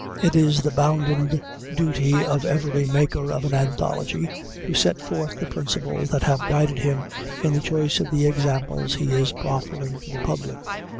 It is the bounden duty of every maker of an anthology to set forth the principles that have guided him in the choice of the examples he is proffering to the public.